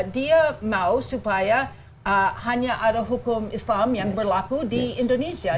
dia mau supaya hanya ada hukum islam yang berlaku di indonesia